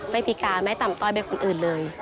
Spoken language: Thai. พิการไม่ต่ำต้อยไปคนอื่นเลย